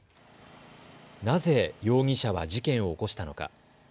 なぜ容疑者は事件を起こしたのか。